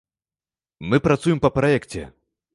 Мы працуем па праекце.